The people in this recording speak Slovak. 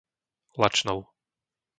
Lačnov